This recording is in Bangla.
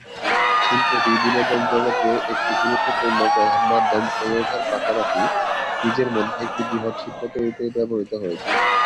শিল্পটি বিনোদন জগতের একটি গুরুত্বপূর্ণ প্রধান মাধ্যম হয়ে ওঠার পাশাপাশি নিজের মধ্যে একটি বৃহত শিল্প তৈরিতে ব্যবহৃত হয়েছে।